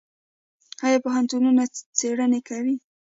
آیا پوهنتونونه څیړنې کوي؟